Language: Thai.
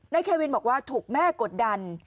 เควินบอกว่าถูกแม่กดดัน